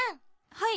はい。